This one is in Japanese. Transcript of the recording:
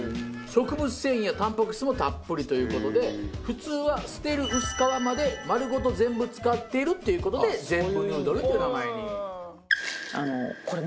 食物繊維やタンパク質もたっぷりという事で普通は捨てる薄皮まで丸ごと全部使っているっていう事で「ゼンブヌードル」という名前に。